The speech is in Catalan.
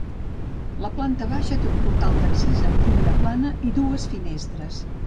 La planta baixa té un portal d'accés amb llinda plana i dues finestres.